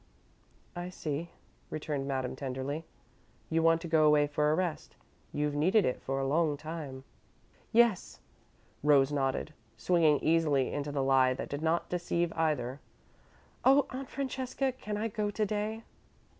"I see," returned Madame, tenderly. "You want to go away for a rest. You've needed it for a long time." "Yes," Rose nodded, swinging easily into the lie that did not deceive either. "Oh, Aunt Francesca, can I go to day?"